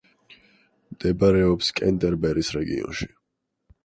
მდებარეობს კენტერბერის რეგიონში.